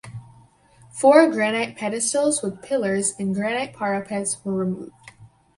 Four granite pedestals with pillars and granite parapets were removed.